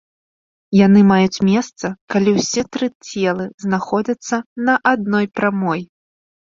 Яны маюць месца, калі ўсе тры целы знаходзяцца на адной прамой.